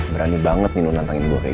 perjanjian tanpa servisi